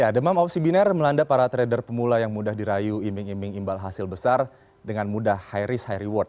demam opsi biner melanda para trader pemula yang mudah dirayu iming iming imbal hasil besar dengan mudah high risk high reward